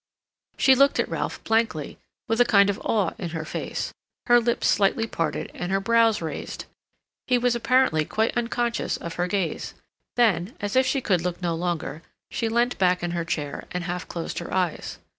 She looked at Ralph blankly, with a kind of awe in her face, her lips slightly parted, and her brows raised. He was apparently quite unconscious of her gaze. Then, as if she could look no longer, she leant back in her chair, and half closed her eyes.